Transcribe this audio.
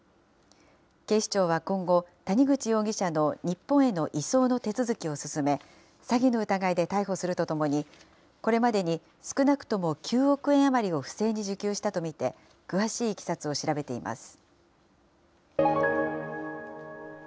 警視庁は今後、谷口容疑者の日本への移送の手続きを進め、詐欺の疑いで逮捕するとともに、これまでに少なくとも９億円余りを不正に受給したと見て、詳しいいきさつを調べています。